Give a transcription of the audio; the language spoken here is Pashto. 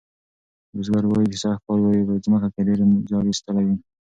بزګر وایي چې سږکال یې په مځکه کې ډیر زیار ایستلی دی.